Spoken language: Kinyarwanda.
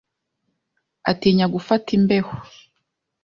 atinya gufata imbeho.